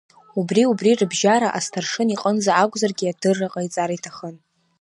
Убри-убри рыбжьара асҭаршын иҟынӡа акәзаргьы адырра ҟаиҵар иҭахын.